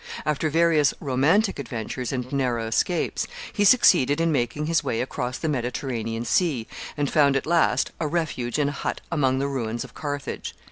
After various romantic adventures and narrow escapes, he succeeded in making his way across the Mediterranean Sea, and found at last a refuge in a hut among the ruins of Carthage.